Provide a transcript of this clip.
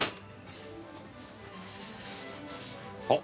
あっ！？